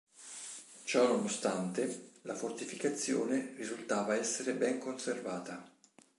Ciò nonostante, la fortificazione risultava essere ben conservata.